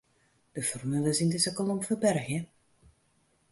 De formules yn dizze kolom ferbergje.